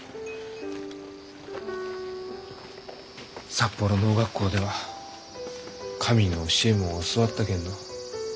札幌農学校では神の教えも教わったけんど